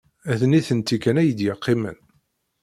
D nitenti kan ay d-yeqqimen.